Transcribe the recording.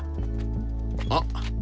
あっ。